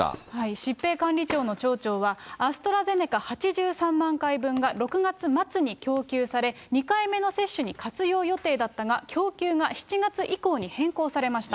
疾病管理庁の庁長は、アストラゼネカ、８３万回分が、６月末に供給され、２回目の接種に活用予定だったが、供給が７月以降に変更されました。